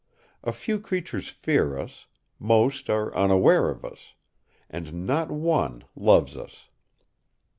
A few creatures fear us, most are unaware of us, and not one loves us.